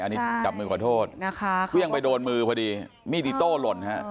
อันนี้จับมือขอโทษนะคะเครื่องไปโดนมือพอดีมีดอิโต้หล่นฮะ